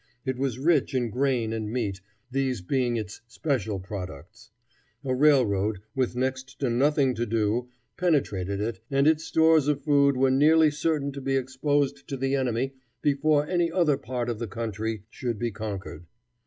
It was rich in grain and meat, these being its special products. A railroad, with next to nothing to do, penetrated it, and its stores of food were nearly certain to be exposed to the enemy before any other part of the country should be conquered.